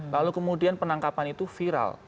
lalu kemudian penangkapan itu viral